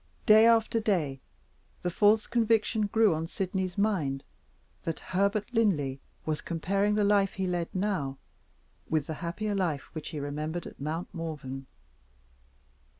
Day after day, the false conviction grew on Sydney's mind that Herbert Linley was comparing the life he led now with the happier life which he remembered at Mount Morven.